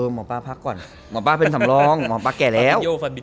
หมอป้าพักก่อนหมอป้าเป็นสำรองหมอป้าแก่แล้ว